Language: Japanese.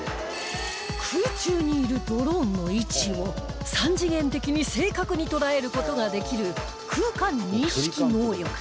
空中にいるドローンの位置を３次元的に正確に捉える事ができる空間認識能力